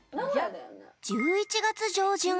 １１月上旬。